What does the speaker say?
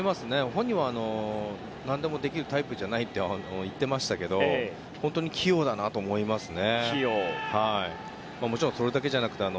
本人は何でもできるタイプじゃないと言ってましたけど本当に器用だなと思いますね。